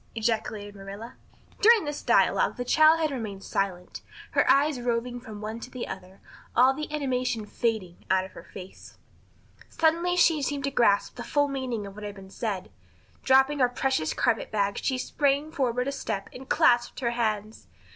ejaculated Marilla. During this dialogue the child had remained silent, her eyes roving from one to the other, all the animation fading out of her face. Suddenly she seemed to grasp the full meaning of what had been said. Dropping her precious carpet bag she sprang forward a step and clasped her hands.